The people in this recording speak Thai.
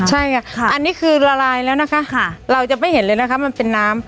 ใช่ค่ะอันนี้คือละลายแล้วนะคะเราจะไม่เห็นเลยนะคะมันเป็นน้ำ